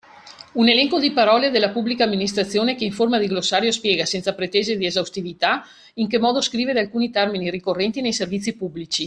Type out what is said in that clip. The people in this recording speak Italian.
Un elenco di parole della Pubblica Amministrazione, che in forma di glossario spiega (senza pretese di esaustività) in che modo scrivere alcuni termini ricorrenti nei servizi pubblici.